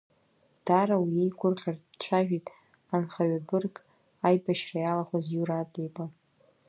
Даара уиеигәрӷьаратә дцәажәеит анхаҩабырг, аибашьра иалахәыз Иура Адлеиба.